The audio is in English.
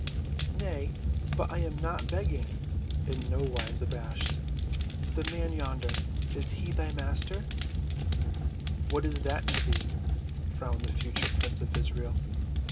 "Nay, but I am not begging," said Tor, in nowise abashed. "The man—yonder—is he thy Master?" "What is that to thee?" frowned the future prince of Israel.